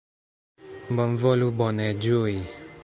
Bonvolu bone ĝui!